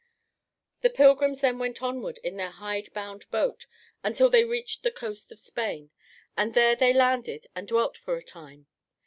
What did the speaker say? The pilgrims then went onward in their hidebound boat until they reached the coast of Spain, and there they landed and dwelt for a time.